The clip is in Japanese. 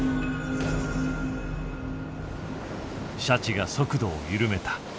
シャチが速度を緩めた。